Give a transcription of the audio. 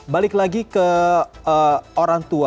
balik lagi ke orang tua